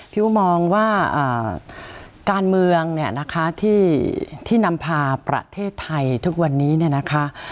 พี่อุ๊ยมองว่าการเมืองที่นำพาประเทศไทยทุกวันนี้นะคะ